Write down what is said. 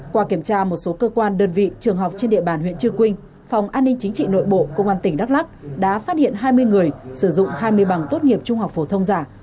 qua kiểm tra một số cơ quan đơn vị trường học trên địa bàn huyện chư quynh phòng an ninh chính trị nội bộ công an tỉnh đắk lắc đã phát hiện hai mươi người sử dụng hai mươi bằng tốt nghiệp trung học phổ thông giả